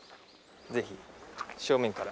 ぜひ正面から。